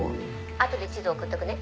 「あとで地図送っとくね」